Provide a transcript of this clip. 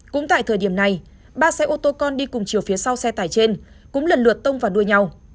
cũng tại thời điểm này ba xe ô tô con đi cùng chiều phía sau xe tải trên cũng lần lượt tông vào đuôi nhau